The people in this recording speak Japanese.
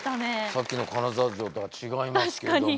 さっきの金沢城とは違いますけども。